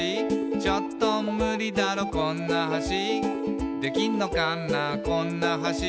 「ちょっとムリだろこんな橋」「できんのかなこんな橋」